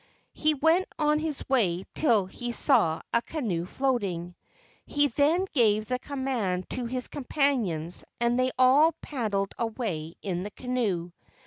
He went on his way till he saw a canoe floating. He then gave the command to his companions and they all paddled away in the canoe.